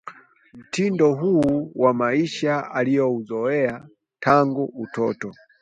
mtindo huu wa maisha aliouzoea tangu utoto